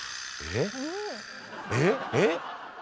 えっ？